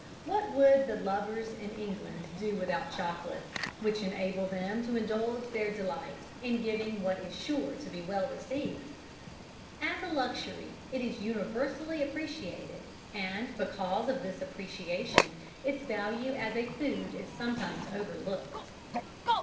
What would the lovers in England do without chocolates, which enable them to indulge their delight in giving that which is sure to be well received? As a luxury it is universally appreciated, and because of this appreciation its value as a food is sometimes overlooked.